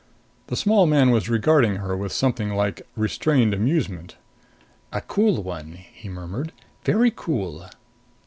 The small man was regarding her with something like restrained amusement. "A cool one," he murmured. "Very cool!"